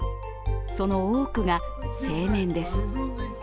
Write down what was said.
その多くが青年です。